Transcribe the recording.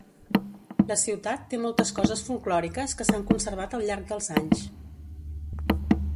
La ciutat té moltes coses folklòriques que s'han conservat al llarg dels anys.